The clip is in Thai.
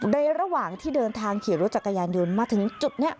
ระหว่างที่เดินทางขี่รถจักรยานยนต์มาถึงจุดนี้